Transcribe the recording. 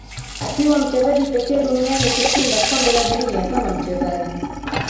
akiwa mchezaji pekee duniani kushinda kombe la dunia kama mchezaji